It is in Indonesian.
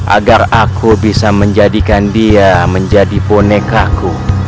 agar aku bisa menjadikan dia menjadi bonekaku